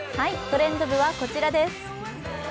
「トレンド部」はこちらです。